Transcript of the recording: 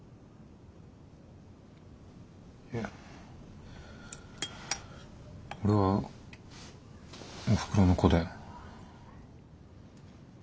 いや俺はおふくろの子だよ。